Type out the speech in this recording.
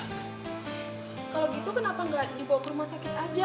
kalo gitu kenapa gak dibawa ke rumah sakit aja